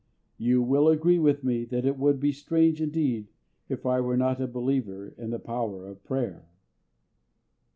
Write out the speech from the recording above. You will agree with me that it would be strange indeed if I were not a believer in the power of prayer.